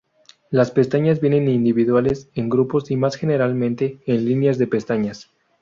Las pestañas vienen individuales, en grupos, y más generalmente, en líneas de pestañas.